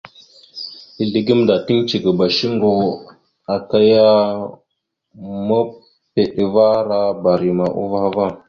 Ezle gamənda tiŋgəcekaba shuŋgo aka ya mepeɗevara barima uvah ava.